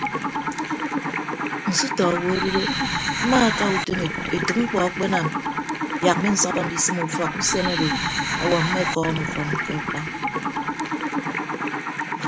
Nsutọ owo adodo mmaaka utom etәk mkpọ akpe anam yak mmensọppọ ndisịm ufọk usen odo ọwuọ mmekọọñ ọfọñ ke akpap.